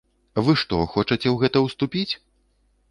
Вы што, хочаце ў гэта ўступіць?